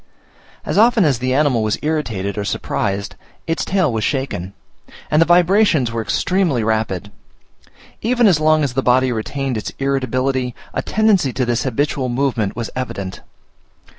As often as the animal was irritated or surprised, its tail was shaken; and the vibrations were extremely rapid. Even as long as the body retained its irritability, a tendency to this habitual movement was evident.